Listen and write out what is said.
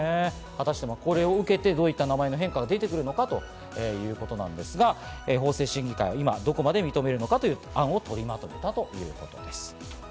果たして、これを受けて、どういった名前の変化が出てくるのかということなんですが、法制審議会、今どこまで認めるのかといった案を取りまとめたということです。